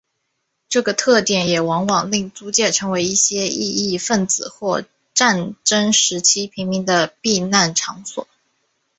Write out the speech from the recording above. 这个特点也往往令租界成为一些异议份子或战争时期平民的避难场所。